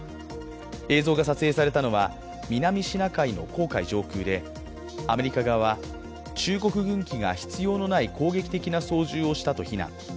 映像が撮影されたのは南シナ海の黄海上空でアメリカ側は中国軍機が必要のない攻撃的な操縦をしたと非難。